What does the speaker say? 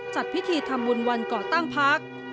จัดพิธีธรรมวลวันเกาะตั้งพัก